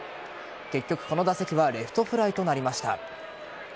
結局、この打席はレフトフライとなりました。